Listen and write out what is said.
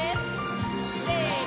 せの！